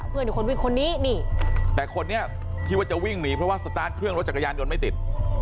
อีกคนวิ่งคนนี้นี่แต่คนนี้คิดว่าจะวิ่งหนีเพราะว่าสตาร์ทเครื่องรถจักรยานยนต์ไม่ติด